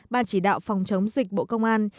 ban chỉ đạo phòng chống dịch bộ công an